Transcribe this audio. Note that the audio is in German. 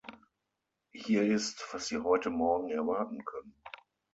Hier ist, was Sie heute Morgen erwarten können.